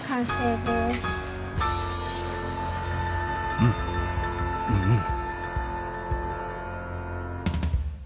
うんうんうん。